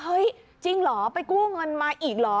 จริงเหรอไปกู้เงินมาอีกเหรอ